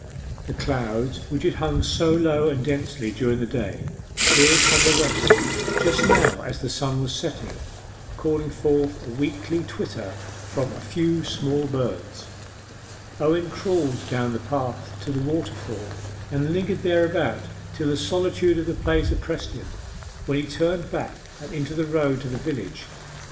The clouds which had hung so low and densely during the day cleared from the west just now as the sun was setting, calling forth a weakly twitter from a few small birds. Owen crawled down the path to the waterfall, and lingered thereabout till the solitude of the place oppressed him, when he turned back and into the road to the village.